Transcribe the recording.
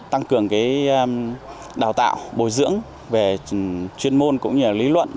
tăng cường đào tạo bồi dưỡng về chuyên môn cũng như lý luận